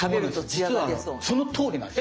実はそのとおりなんです。